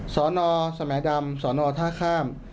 สอนอสแมดำสอนอท่าข้าม